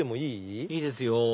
いいですよ